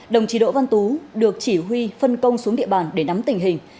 đồng chí đỗ văn tú được chỉ huy phân công xuống địa bàn để nắm tình hình